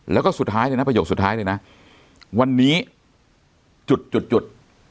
แล้วก็สุดท้ายเลยนะประโยคสุดท้ายเลยนะวันนี้จุดจุดจุด